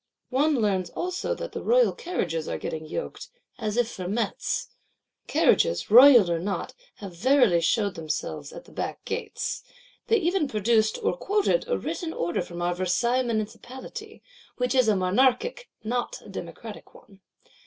One learns also that the royal Carriages are getting yoked, as if for Metz. Carriages, royal or not, have verily showed themselves at the back Gates. They even produced, or quoted, a written order from our Versailles Municipality,—which is a Monarchic not a Democratic one.